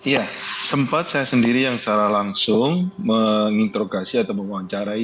ya sempat saya sendiri yang secara langsung menginterogasi atau mewawancarai